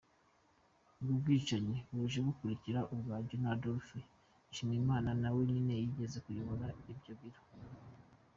Ubwo bwicanyi buje bukurikira ubwa general Adolphe Nshimirimana, nawe nyene yigeze kuyobora ivyo biro.